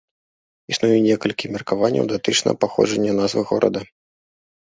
Існуе некалькі меркаванняў датычна паходжання назвы горада.